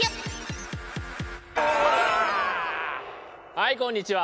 はいこんにちは。